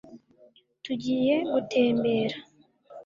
tugiye gutembera